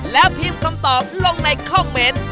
แล้วพิมพ์คำตอบลงในคอมเมนต์